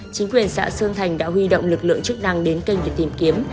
chính quyền xã sơn thành đã huy động lực lượng chức năng đến kênh để tìm kiếm